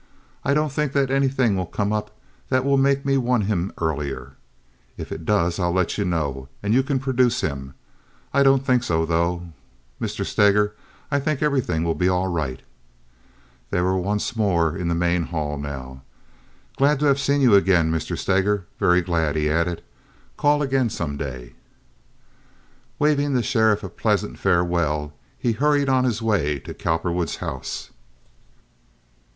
"I don't think that anything will come up that will make me want him earlier. If it does I'll let you know, and you can produce him. I don't think so, though, Mr. Steger; I think everything will be all right." They were once more in the main hall now. "Glad to have seen you again, Mr. Steger—very glad," he added. "Call again some day." Waving the sheriff a pleasant farewell, he hurried on his way to Cowperwood's house.